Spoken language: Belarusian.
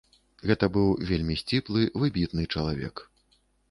Гэта быў вельмі сціплы, выбітны чалавек.